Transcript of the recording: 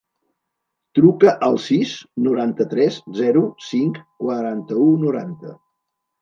Truca al sis, noranta-tres, zero, cinc, quaranta-u, noranta.